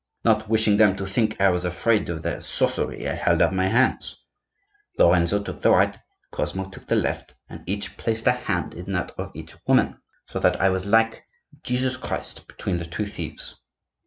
Not wishing them to think I was afraid of their sorcery, I held out my hands; Lorenzo took the right, Cosmo the left, and each placed a hand in that of each woman, so that I was like Jesus Christ between the two thieves.